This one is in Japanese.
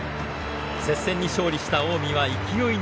接戦に勝利した近江は勢いに乗り